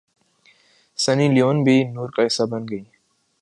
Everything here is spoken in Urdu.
سنی لیون بھی نور کا حصہ بن گئیں